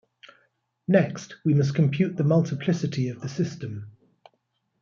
Next, we must compute the multiplicity of the system.